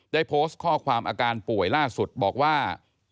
ได้โพสต์ข้อความอาการป่วยล่าสุดบอกว่า